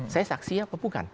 saya saksi apa bukan